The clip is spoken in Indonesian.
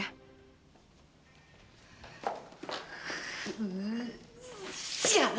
aku keluar sebentar ya